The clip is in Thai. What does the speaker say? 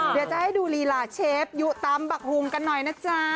เดี๋ยวจะให้ดูลีลาเชฟยุตำบักหุงกันหน่อยนะจ๊ะ